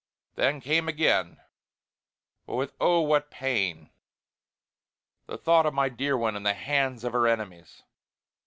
Then came again, but with oh! what pain, the thought of my dear one in the hands of her enemies.